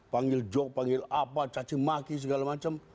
panggil jok panggil apa cacimaki segala macam